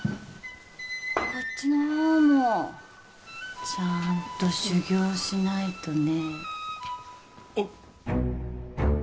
こっちの方もちゃんと修業しないとね